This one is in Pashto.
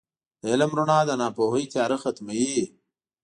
• د علم رڼا د ناپوهۍ تیاره ختموي.